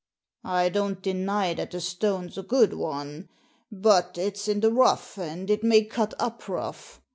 " I don't deny that the stone's a good one. But it's in the rough, and it may cut up rough.